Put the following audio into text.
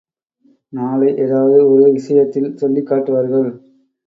நாளை ஏதாவது ஒரு விஷயத்தில் சொல்லிக் காட்டுவார்கள்.